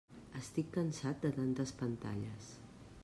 Estic cansat de tantes pantalles.